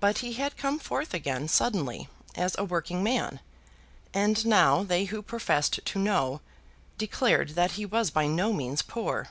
But he had come forth again suddenly as a working man; and now they who professed to know, declared that he was by no means poor.